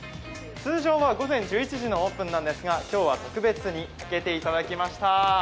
通常は午前１１時のオープンなんですが、今日は特別に開けていただきました。